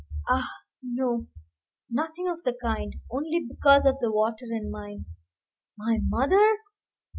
Ah, no! nothing of the kind; only because of the water in mine. My mother!